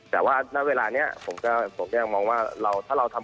แต่ว่าณเวลานี้ผมก็ยังมองว่าเราถ้าเราทำ